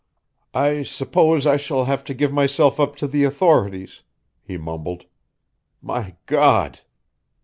"I suppose I shall have to give myself up to the authorities," he mumbled. "My God!"